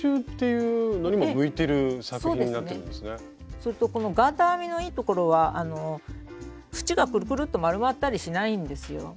それとこのガーター編みのいいところは縁がくるくるっと丸まったりしないんですよ。